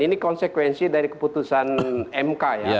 ini konsekuensi dari keputusan mk ya